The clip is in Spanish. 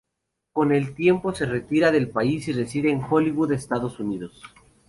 Con el tiempo se retira del país y reside en Hollywood, Estados Unidos.